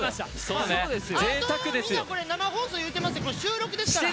あとみんなこれ生放送言うてますけど収録ですから。